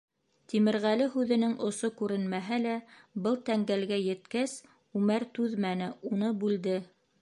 Тимерғәле һүҙенең осо күренмәһә лә, был тәңгәлгә еткәс, Үмәр түҙмәне, уны бүлде: